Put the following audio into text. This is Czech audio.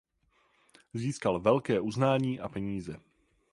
Získal velké uznání a peníze.